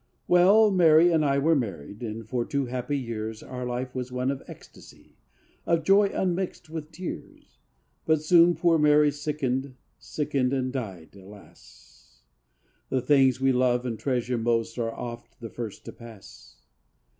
Well—Mary and I were married, And for two happy years Our life was one of ecstasy, Of joy unmixed with tears. But soon poor Mary sickened, Sickened and died—alas! The things we love and treasure most Are oft the first to pass.